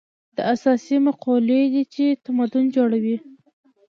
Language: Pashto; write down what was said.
دا اساسي مقولې دي چې تمدن جوړوي.